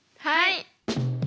はい。